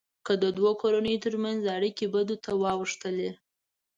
که د دوو کورنيو ترمنځ اړیکې بدو ته اوښتلې.